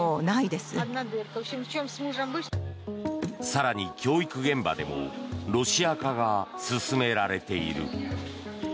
更に、教育現場でもロシア化が進められている。